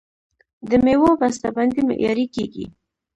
د میوو بسته بندي معیاري کیږي.